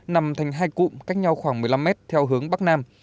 nằm thành hai cụm cách nhau khoảng một mươi năm mét theo hướng bắc nam